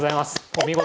お見事。